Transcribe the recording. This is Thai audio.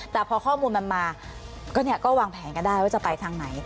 แต่พอข้อมูลมันมาก็วางแผนกันได้ว่าจะไปทางไหน